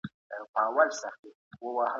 کافین لږ استعمال کړئ.